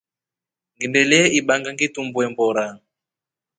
Ngindelye ibanga ngitumbwe mboora.